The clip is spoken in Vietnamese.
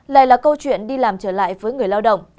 lại là câu chuyện đi làm trở lại với người lao động